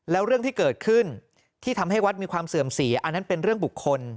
แล้วเรื่องที่เกิดขึ้นที่ทำให้วัดมีความเสื่อมเสียอันนั้นเป็นเรื่องบุคคล